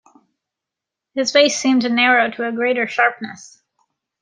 His face seemed to narrow to a greater sharpness.